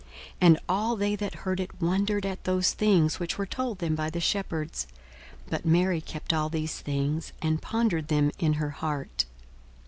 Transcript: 42:002:018 And all they that heard it wondered at those things which were told them by the shepherds. 42:002:019 But Mary kept all these things, and pondered them in her heart.